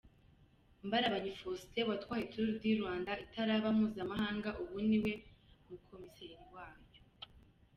Mparabanyi Faustin watwaye Tour du Rwanda itaraba mpuzamahanga ubu ni umwe mu komiseri bayo.